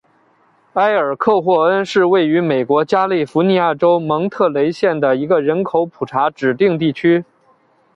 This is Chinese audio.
埃尔克霍恩是位于美国加利福尼亚州蒙特雷县的一个人口普查指定地区。